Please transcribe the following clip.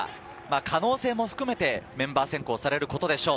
可能性も含めてメンバー選考されることでしょう。